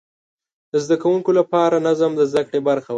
د زده کوونکو لپاره نظم د زده کړې برخه وه.